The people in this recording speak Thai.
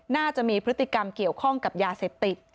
น่าจะมีพฤติกรรมเกี่ยวข้องกับยาเสพติด